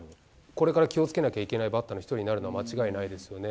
これから気をつけなきゃいけないバッターの一人になるのは間違いないですよね。